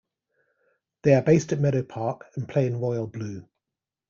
They are based at Meadow Park and play in royal blue.